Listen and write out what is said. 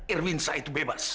irwin sa itu bebas